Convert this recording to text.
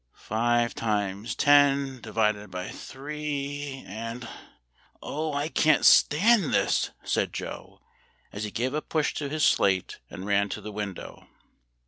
"Five times ten, divided by three, and Oh, I can't stand this," said Joe, as he gave a push to his slate, and ran to the window.